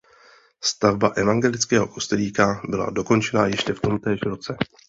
Stavba evangelického kostelíka byla dokončena ještě v tomtéž roce.